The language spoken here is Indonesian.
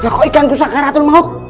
kok ikan kusaka ratul maut